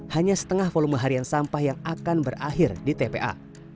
hanya setengah volume harian sampah yang akan berakhir di tpa